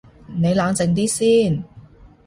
你冷靜啲先